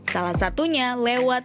salah satunya lewat